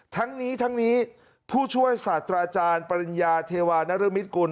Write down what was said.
ทั้งนี้ผู้ช่วยสัตว์อาจารย์ปริญญาเทวานรมิตกุล